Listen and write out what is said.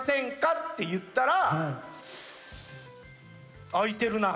って言ったら「空いてるな」って。